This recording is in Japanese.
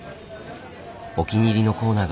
お気に入りのコーナーがあるみたい。